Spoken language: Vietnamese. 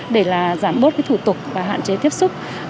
để là giảm bớt cái thủ tục và hạn chế tiếp xúc